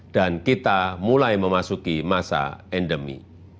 dan kita mulai memasuki masa endemi